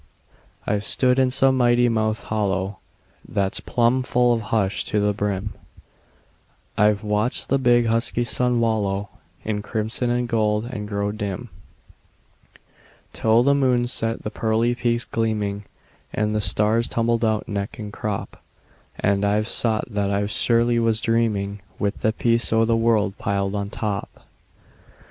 I've stood in some mighty mouthed hollow That's plumb full of hush to the brim; I've watched the big, husky sun wallow In crimson and gold, and grow dim, Till the moon set the pearly peaks gleaming, And the stars tumbled out, neck and crop; And I've thought that I surely was dreaming, With the peace o' the world piled on top.